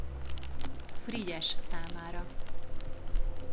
Frigyes számára.